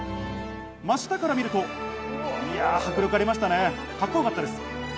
真下から見ると迫力ありましたね、かっこよかったです。